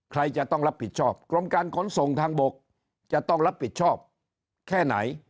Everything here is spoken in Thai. ใครจะต้องรับผิดชอบกรมการขนส่งทางบกจะต้องรับผิดชอบแค่ไหน